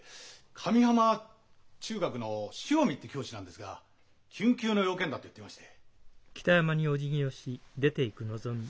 上浜中学の潮見って教師なんですが「緊急の用件だ」って言ってまして。